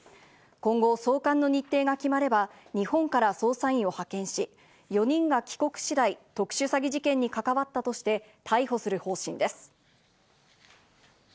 今後、送還の日程が決まれば、日本から捜査員を派遣し、４人が帰国次第、特殊詐欺事件に関わったとして逮捕する方針です。